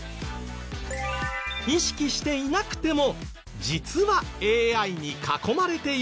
意識していなくても実はＡＩに囲まれているんです。